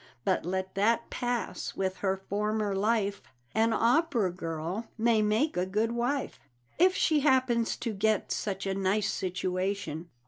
But let that pass with her former life An opera girl may make a good wife, If she happens to get such a nice situation.